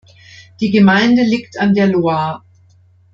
Die Gemeinde liegt an der Loire.